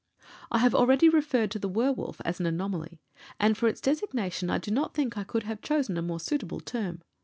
I have already referred to the werwolf as an anomaly, and for its designation I do not think I could have chosen a more suitable term.